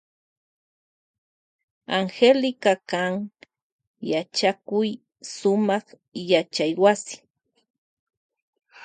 Angélica kan yachakuy sumak yachaywasi.